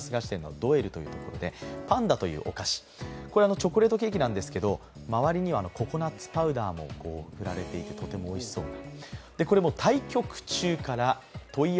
チョコレートケーキなんですけど、周りにはココナッツパウダーも塗られていて、とてもおいしそうです。